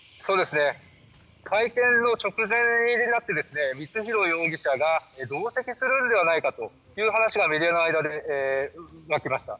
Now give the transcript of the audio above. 会見の直前になって光弘容疑者が同席するのではないかという話がメディアの間でありました。